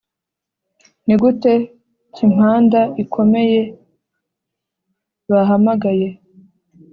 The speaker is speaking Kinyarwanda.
nigute nkimpanda ikomeye-bahamagaye